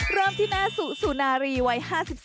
เริ่มที่แม่สุสุนารีวัย๕๔